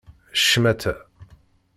Ccmata!